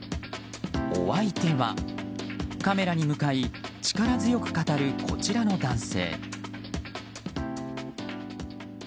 お相手はカメラに向かい力強く語る、こちらの男性。